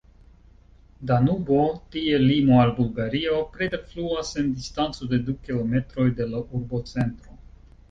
Danubo, tie limo al Bulgario, preterfluas en distanco de du kilometroj de la urbocentro.